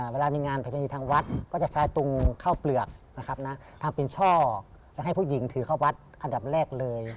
เวลามีงานประเพณีทางวัดก็จะใช้ตุงข้าวเปลือกนะครับทำเป็นช่อแล้วให้ผู้หญิงถือเข้าวัดอันดับแรกเลย